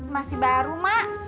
masih baru mak